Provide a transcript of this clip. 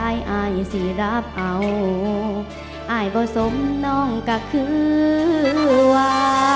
อายอายสิรับเอาอายบ่สมน้องก็คือวา